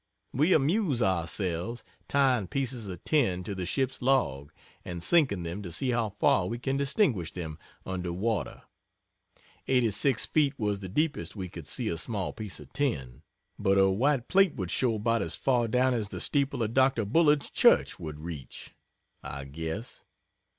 We amuse ourselves tying pieces of tin to the ship's log and sinking them to see how far we can distinguish them under water 86 feet was the deepest we could see a small piece of tin, but a white plate would show about as far down as the steeple of Dr. Bullard's church would reach, I guess.